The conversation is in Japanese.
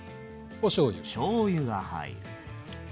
こしょうが入る。